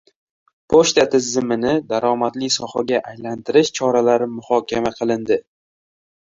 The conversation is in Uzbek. Pochta tizimini daromadli sohaga aylantirish choralari muhokama qilindi